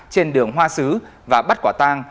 trên đường hoa sứ và bắt quả tang